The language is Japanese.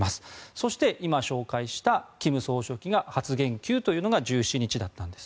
そして今、紹介した金総書記が初言及というのが１７日だったんです。